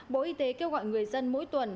bộ y tế kêu gọi người dân mỗi tuần